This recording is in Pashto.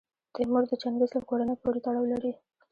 تیمور د چنګیز له کورنۍ پورې تړاو لري.